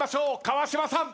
川島さん。